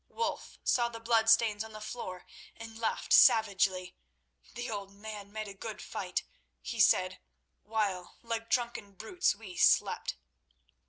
Wulf saw the bloodstains on the floor and laughed savagely. "The old man made a good fight," he said, "while, like drunken brutes, we slept."